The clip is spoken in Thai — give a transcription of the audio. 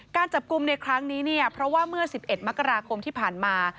การจับกลุ่มในครั้งนี้เนี่ยเพราะว่าเมื่อ๑๑มกราคมที่ผ่านมา